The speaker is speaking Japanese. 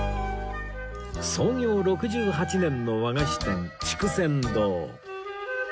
創業６８年の和菓子店竹仙堂